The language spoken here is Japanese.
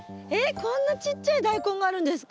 こんなちっちゃいダイコンがあるんですか？